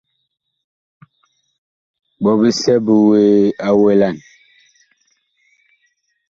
Ɓɔ bisɛ bi wuee a welan.